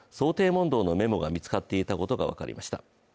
問答のメモが見つかっていたことが分かりました。